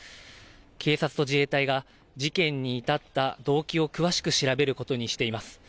警察と自衛隊が事件に至った動機を詳しく調べることにしています。